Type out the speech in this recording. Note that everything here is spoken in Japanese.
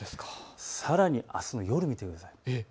さらにあすの夜を見てください。